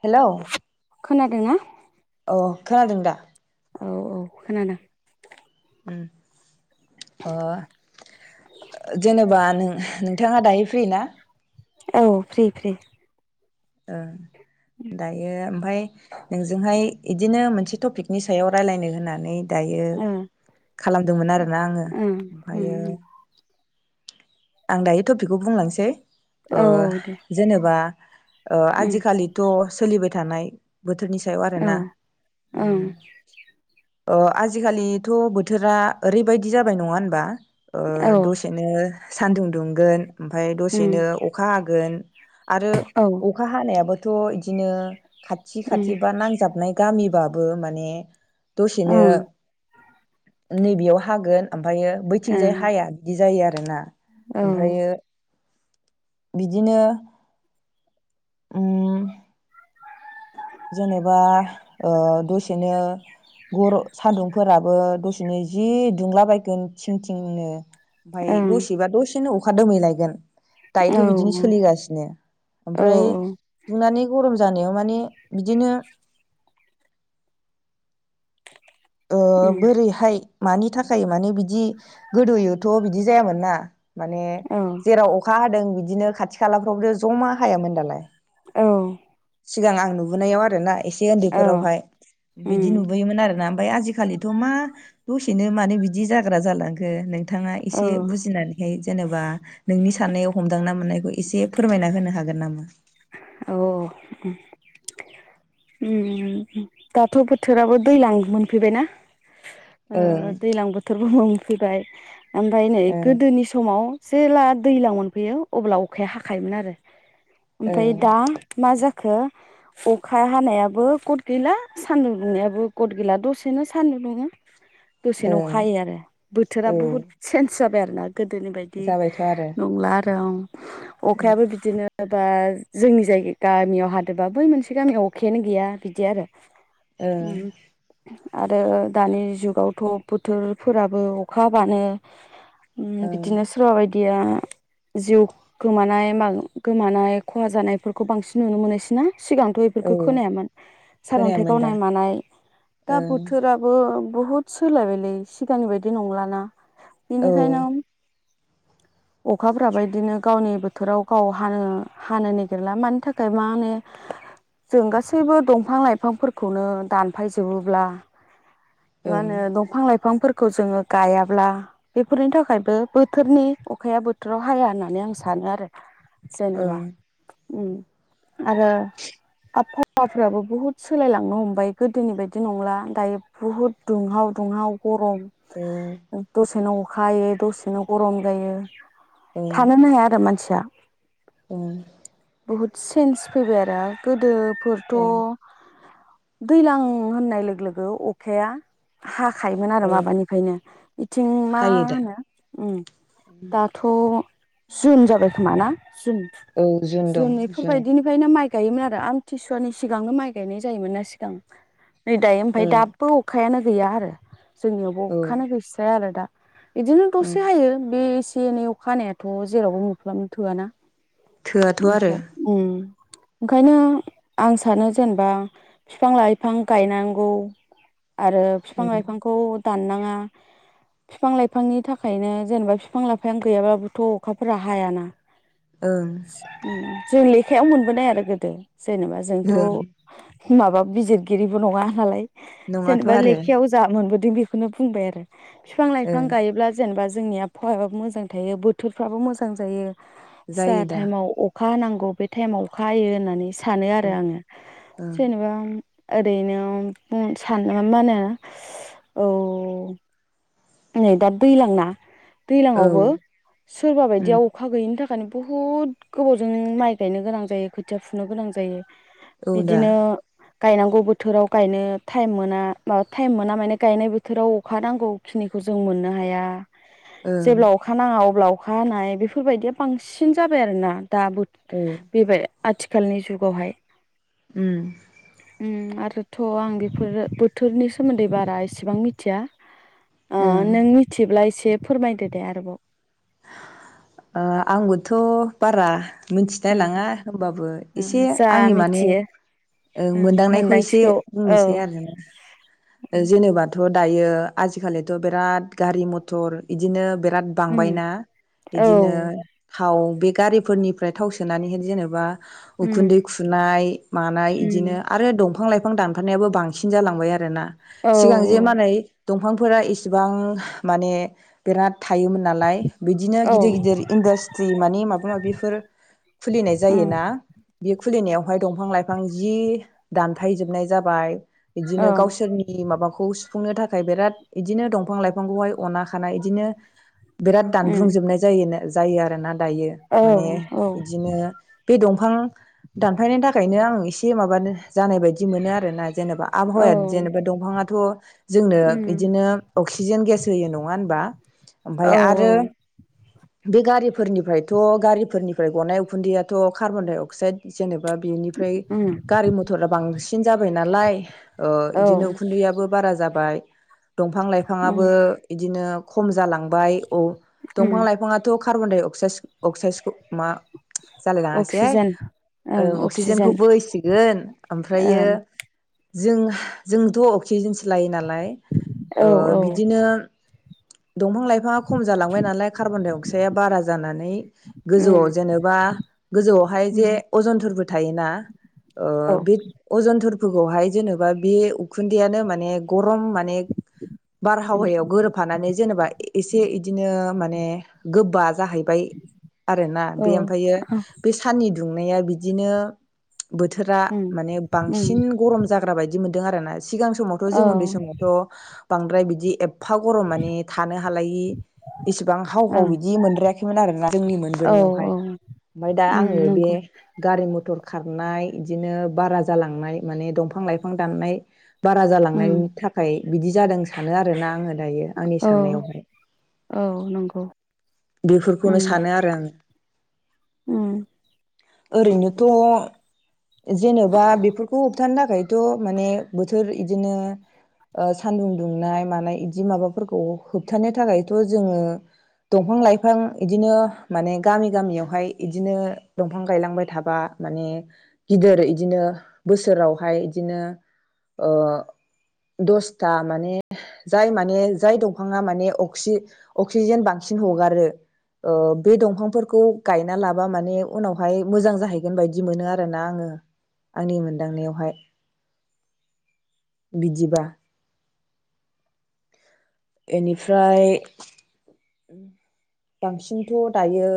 Hello खोनादों ना? अ खोनादों दा? औ औ खोनादों उम अ जेनेबा नों नों नोंथाङा दायो फ्रि ना? औ फ्रि फ्रि ओ दायो ओम फाय नोंजोंहाय इदिनो मोनसे टपिकनि सायाव रायलायनो होन्ना नै दायो ओ खालामदोंमोन आरो मोनना आङो ओं ओमफ्रायो उम आं दायो टपिकखौ बुंलांसै ओ औ दे जेनेबा ओ उम आजिखालिथ' सोलिबाय थानाय बोथोरनि सायाव औ आरोना ओं औ उम अ आजिखालिथ' बोथोरा ओरैबायदि जाबाय नङा होनबा ओ दसेनो सान्दुं दुंगोन ओमफाय उम दसेनो अखा हागोन। आरो औ अखा हानायाबो थ' इदिनो खाथि उम खाथि बा नांजाबनाय गामिबाब बो माने दसेनो ओं नैबेयाव हागोन आम फायो बैथिंजाय ओं हाया बिदि जायो आ रोना औ ओं ओमफायो बिदिनो उम जेनेबा ओ दसेनो गर सान्दुं फोराबो दसेनो जि दुंलाबायगोन थिं थिंनो फाय दसे बा दसे बिदिनो अखा दोमै लायगोन दायोथ औ औ बिदिनो सोलिगासिनो ओमफ्राय औ दुंनानै गरम जानायाव माने बिदिनो ओ उम बोरैहाय मानि थाखाय माने बिदि गोदोयोथ बिदि जायामोन ना माने औ जेराव अखा हादों बिदिनो खाथि खालाफ्रावथ जमा हायामोन दालाय औ सिगां आं नुबोनायाव आरोना एसे उन्दैफोरावहाय बिदि उम नुबोयोमोन आरोना आजिखालिथ मा बुस बनो मानो बिदि जाग्रा जालांखो नो नोंथाङा एसे औ बुजिनानैहाय जेनेबा नोंनि साननायाव हमदांना मोननायखौ एसे फोरमायना होनो हागोन नामा? औ औ ओम ओम दाथ बोथोराबो दैज्लां मोनफैबायना ओ ओं ओ दैज्लां बोथोरबो फैबाय ओमफ्राय नै ओं गोदोनि समाव जेब्ला दैज्लां मोनफैयो अब्ला अखाया हाखायोमोन आरो ओमफ्राय ओं दा मा जाखो खो फु अखा हानायाबो गथ गैला सान्दुं दुंनायाबो गथ गैला दसेनो सान्दुं दुङो दसेनो ओं अखाहायो आरो बोथोरा औ बुहुत चेन्ज जाबाय आरोना गोदोनि बायदि जाबायथ' आरो नंला ओं अखायाबो बिदिनो बा जोंनि जायगा गामियाव हादोंबा बै मोनसे बे गामियाव अखायानो गैया बिदि आरो। ओं उम आरो दानि जुगावथ बोथोरफोराबो अखा हाबानो ओम ओं बिदिनो सोरबा बाय दिया जिउ गोमानाय मा गोमानाय खहा जानायफोरखौ बांसिन नुनो मोनोसैना सिगां बेफोरखौ औ खोनायामोन सारन्थाइ खोनायामोन दा गावनाय मानाय दा ओं बोथोराबो बुहुद सोलायबायलै सिगांनि बायदि नंलाना औ बिनिखायनो अखाफ्राबो इदिनो गावनि बोथोराव गाव हानो हानो नागिरला मानि थाखाय मानो जों गासैबो दंफां लाइफांफोरखौनो दानफायजोबोब्ला मा ओं होनो दंफां लाइफां फोर खौ जोङो गायाब्ला बेफोरनि थाखायबो बोथोरनि अखाया बोथोराव हाया होननानै आं सानो आरो। ओं जेनेबा उम आरो आबफावाफ्राबो बुहुद सोलायलांनो हमबाय गोदोनि बायदि नंला दायो बुहुद दुंहाव दुंहाव गरम औ दसेनो खा हायो दसेनो गरम जायो। थानोनो हाया दा मानसिया। औ बुहुद चेन्स फैबाय आरो गोदो फोरथ ओं दैलां होननाय लोगो लोगो अखाया हा खायोमोन आरो औ माबानिफ्रायनो बिथिं मा हायो दा होनो उम दाथ जुन जाबाय खोमाना? जुन जुन इफोरबायदिनिफ्रायनो माइ गायो मोन आ रो आमथिसुवानि सिगांनो माइ गायनाय जायोमोन ना सिगां। नै दायो ओमफ्राय ओं दाबो अखायानो गैया आरो। जोंनियावबो औ अखानो गैस्राया आरो दा। बिदिनो ओं दसे हायो बे एसे एनै अखाहानायाथ जेरावबो मुफ्लामनो थोआ ना थोआथ' आरो [unintelligible] उम ओंखायनो आं सानो जेनेबा बिफां लाइफां गायनांगौ। आरो बिफां ओं लाइफांखौ दाननाङा बिफां लाइफांनि थाखायनो जेनेबा बिफां लाइफां गैयाबाबोथ अखाफोरा हायाना ओं उम उम जलै आखायाव मोनबोनाय आरो गोदो [unintelligible] जेनेबा जोंथ ओं माबा बिजितगिरिबो नङा हालाय नङाथ' जेनेबा आरो लेखायाव जा मोनबोदो बेखौनो बुंबाय आरो। बिफां लाइफां ओं गायोब्ला जेनेबा जों जोंनि आबहावायाबो मोजां थायो बोथोरफ्राबो मोजां जायो। जा जायो दा टायेम‌आव अखा अखा हानांगौ बे टायेमाव अखा हायो होननानै सानो आरो औ आङो ओं जेनेबा ओरैनो बुं सानो मा होनो औ नै दा दैलांना। औ दैज्लांआवबो सोरबा उम बायदियाव अखा गैयिनि थाखाय बुहुद गोबावजों माइ गायनो गोनां जायो खोथिया फुनो गोनां जायो। औ दा बिदिनो गायनांगौ बोथोराव गायनो टाइम मोना माबा टाइम मोना माने गायनाय बोथोराव अखा नांगौ। खिनिखौ जों मोननो हाया। ओं जेब्ला अखा नाङा अब्ला अखा हानाय बेफोरबायदिया बांसिन जाबाय आरोना। औ [unintelligible] आथिखालनि जुगावहाय उम उम आरो [unintelligible] आं बेफोर बोथोरनि सोमोन्दै बारा इसेबां मिथिया। ओ ओं नों मिथिब्ला इसे दे फोरमायदो दे आरोबाव। आंबोथ बारा मिथिनाय उम लाङा होनोमबाबो एसे उम जा आंनि माने मिथियो ओ ओं मोनदांनायखौ एसे मोनदांथिखौ औ बुंसै आरो ना उम जेनेबाथ दायो आजिखालिथ बिराद गारि मथर बिदिनो बिराद बांबायना। औ बिदिनो थाव बे गारिफोरनिफ्राय थाव सोनानैहाय जेनेबा उखुन्दै उम खुनाय मानाय बिदिनो उम आरो दंफां लाइफां बिफां दानफनायाबो बांसिन जालांबाय आरो ना। औ सिगां औ जेमानै दंफांफोरा इसेबां माने बिराद थायोमोन नालाय औ गिदिर-गिदिर इन्द्रास्रि माने माबा माबिफोर खुलिनाय उम जायोना बे खुलिनायावहाय दंफां लाइफां जि दानथायजोबनाय जाबाय। औ बिदिनो गावसोरनि माबाखौ खौ सुुफुंनो थाखाय बिराद इदिनो दंफां लाइफांखौहाय अना खानाय इदिनो बिराद दानब्रुंजोबनाय बेनो जायो आरो ना दायो औ माने औ इदिनो बे दं दफां दानफायनायनि थाखायनो आं एसे माबानो जानाय बायदि मोनो आरोना जेनेबा औ आबहावाया जेनेबा दंफाङाथ जोंनो उम बिदिनो अक्सिजेन गेस होयो नङा होनबा? उम ओमफाय औ आरो बे गारिफोरनिफ्रायथ गारिफोरनिफ्राय गनाय उखुन्दैयाथ कार्बन-डाय-अक्साइद जेनेब [unintelligible] बेनिफ्राय उम गारि मथरा बांसिन [unintelligible] जाबाय नालाय ओ औ इदिनो उखुन्दैयाबो बारा जाबाय दंफां उम लाइफाङाबो इदिनो खम जालांबाय औ। उम दंफां लाइफाङाथ कार्बन-डाइ-अक्साइस अक्साइसखौ मा जालाय औ ओं लाङासै हाय ओ अक्सिजेनखौबोसिगोन ओमफ्रायो जों जोंथ अक्सिजेनसो लायो नालाय ओ बिदिनो दंफां लाइफाङा खम जालांबाय नालाय कार्बन-डाइअक्साइया बारा जानानै गोजौआव जेनेबा गोजौआवहाय जे अजन थोरबो थायोना ओ बे अजन थोरफोरखौहाय जेनेबा बे उखुन्दैयानो माने गरम माने बारहावायाव गोरोबफानानै जेनेबा एसे इदिनो ने गोबा जाहैबाय आरोना बे ओमफ्रायो बै साननि दुंनाया बिदिनो बोथोरा माने बांसिन गरम जाग्रा बायदि बिदि मोनदों आरोना। सिगां समावथ' औ जों उन्दै समावथ' बांद्राय बिदि एप फा गरम माने थानो हालायि गोबां हाव औ हाव बिदि मोनद्रायाखैमोन आरोना जोंनि मोनबोनायावहाय उम ओमफ्राय दा आङो बे नंगौ गारि मथ मथर खारनाय इदिनो बारा जालांनाय माने दंफां लाइफां दाननाय बारा उम जालांनायनि थाखाय बिदि जादों सानो आरोना आङो दायो आंनि औ साननायावहाय। औ नंगौ बेफोरखौनो ओम सानो आरो आं ओम। ओरैनोथ' जेनेबा बेफोरखौ होबथानो थाखायथ' माने बोथोर इदिनो ओ सानदुं दुंनाय मानाय बिदि माबाफोरखौ होबथानो थाखायथ' जोङो दंफां लाइफां इदिनो माने गामि गामियावहाय इदिनो दंफां गायलांबाय थाबा माने गिदिर इदिनो बोसोरावहाय बिदिनो ओ दसथा माने जाय माने जाय दंफाङा माने अक्सि अक्सिजेन बांसिन हगारो ओ बे दंफांफोरखौ गायना लाबा माने उनावहाय मोजां जाहैगोन बायदि मोनो आरोना आङो आंनि मोनदांनायावहाय बिदिबा। एनिफ्राय बांसिनथ' दायो